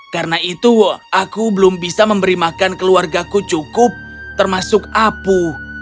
karena itu aku belum bisa memberi makan keluarga ku cukup termasuk apu